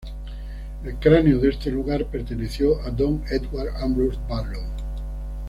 El cráneo de este lugar perteneció a Dom Edward Ambrose Barlow.